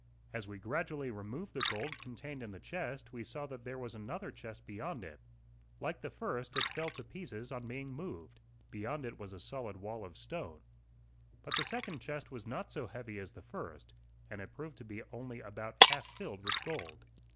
As we gradually removed the gold contained in the chest we saw that there was another chest beyond it. Like the first it fell to pieces on being moved. Beyond it was a solid wall of stone. But the second chest was not so heavy as the first, and it proved to be only about half filled with gold.